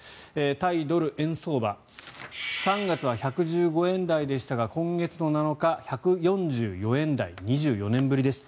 対ドル円相場３月は１１５円台でしたが今月の７日、１４４円台２４年ぶりです。